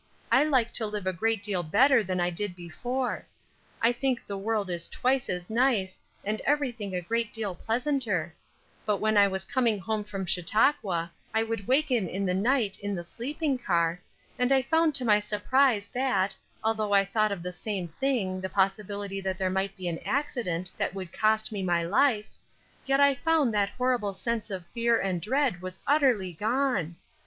I like to live a great deal better than I ever did before; I think the world is twice as nice, and everything a great deal pleasanter; but when I was coming home from Chautauqua I would waken in the night in the sleeping car, and I found to my surprise that, although I thought of the same thing, the possibility that there might be an accident that would cost me my life, yet I felt that horrible sense of fear and dread was utterly gone.